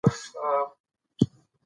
غرونه د افغانستان د طبیعي زیرمو برخه ده.